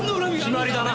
決まりだな。